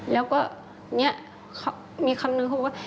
แล้วก็นี่มีคำนึงของเขาว่า